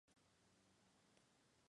Existe una leve predominancia en el varón.